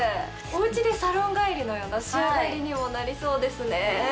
おうちでサロン帰りのような仕上がりにもなりそうですね。